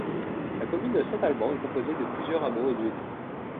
La commune de Saint-Alban est composée de plusieurs hameaux et lieux-dits.